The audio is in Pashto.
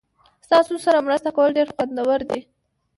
ستاسو سره مرسته کول ډیر خوندور دي.